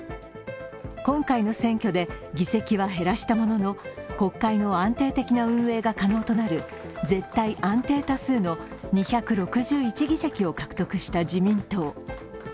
今回の選挙で議席は減らしたものの国会の安定的な運営が可能となる絶対安定多数の２６１議席を獲得した自民党。